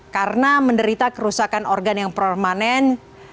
karena menderita kerusakan organ yang permanen